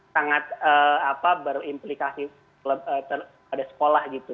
sangat berimplikasi pada sekolah gitu